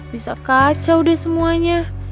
bisa kacau deh semuanya